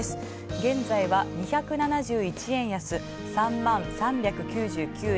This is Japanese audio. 現在は２７１円安、３万３３９円。